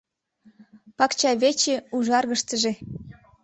Пакчавече ужаргыштыже